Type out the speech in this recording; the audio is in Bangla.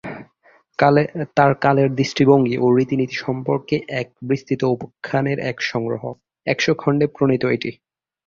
তার কালের দৃষ্টিভঙ্গি ও রীতিনীতি সম্পর্কে এক বিস্তৃত উপাখ্যানের এক সংগ্রহ, একশ খণ্ডে প্রণীত এটি।